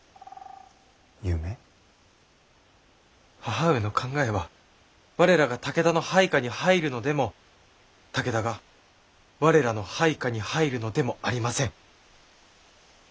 母上の考えは我らが武田の配下に入るのでも武田が我らの配下に入るのでもありません。